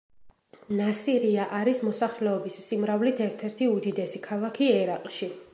ნასირია არის მოსახლეობის სიმრავლით ერთ-ერთი უდიდესი ქალაქი ერაყში.